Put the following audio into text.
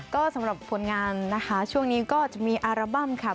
ก็สำหรับผลงานนะคะช่วงนี้ก็จะมีอาราบั้มค่ะ